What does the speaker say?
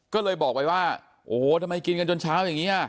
ก็เลยบอกไปว่าโอ้โหทำไมกินกันจนเช้าอย่างนี้